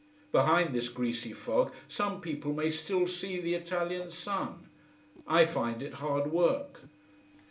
Behind this greasy fog some people may still see the Italian sun. I find it hard work.